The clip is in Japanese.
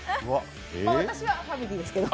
もう私はファミリーですけど。